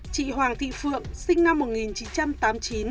chị hoàng thị phượng sinh năm một nghìn chín trăm tám mươi chín